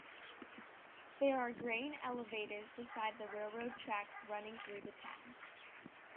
There are grain elevators beside the railroad tracks running through town.